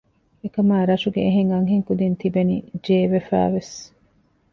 އެކަމާ ރަށުގެ އެހެން އަންހެން ކުދީން ތިބެނީ ޖޭވެފައިވެސް